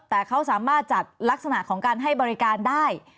แต่เขาสามารถจัดลักษณะของการให้บริการได้